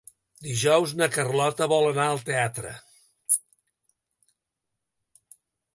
Dijous na Carlota vol anar al teatre.